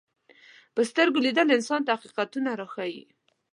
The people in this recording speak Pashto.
په سترګو لیدل انسان ته حقیقتونه راښيي